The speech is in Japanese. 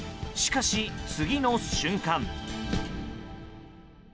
しかし、次の瞬間。